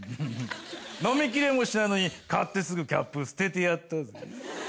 飲みきれもしないのに買ってすぐキャップ捨ててやったぜ。